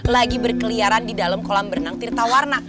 lagi berkeliaran di dalam kolam berenang tirtawarna